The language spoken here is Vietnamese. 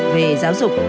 về giáo dục